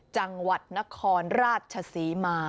จังหวัดนครราชศรีมา